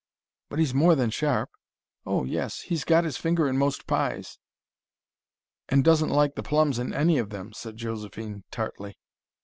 "But he's more than sharp." "Oh, yes! He's got his finger in most pies." "And doesn't like the plums in any of them," said Josephine tartly.